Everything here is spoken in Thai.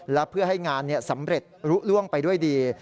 และเพื่อให้งานสำเร็จรู้ล่วงไปด้วยดี